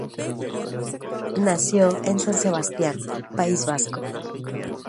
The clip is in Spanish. Nació en San Sebastián, País Vasco.